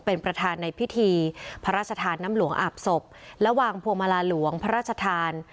เป็นประธานในพิธีภรรษฐานน้ำหลวงอับศพแล้ววางภวมลาหลวงภรรชธาน